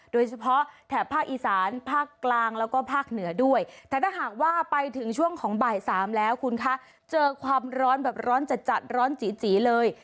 แถบภาคอีสานภาคกลางแล้วก็ภาคเหนือด้วยแต่ถ้าหากว่าไปถึงช่วงของบ่ายสามแล้วคุณคะเจอความร้อนแบบร้อนจัดจัดร้อนจีจีเลย